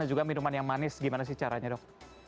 dan juga minuman yang manis gimana sih caranya dok